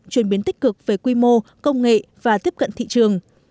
chuyển biến tích cực về quy mô công nghệ và tiếp cận thị trường